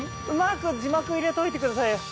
うまく字幕入れといてください